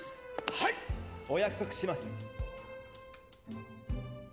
はいっ！お約束します。